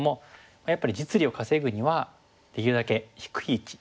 やっぱり実利を稼ぐにはできるだけ低い位置。